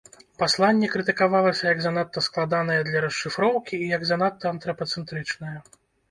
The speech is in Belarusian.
Пасланне крытыкавалася як занадта складанае для расшыфроўкі і як занадта антрапацэнтрычнае.